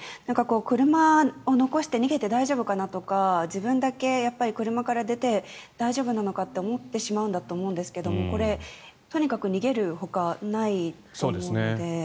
車を残して逃げて大丈夫かなとか自分だけ車から出て大丈夫なのかと思ってしまうんだと思いますがこれ、とにかく逃げるほかないと思うので。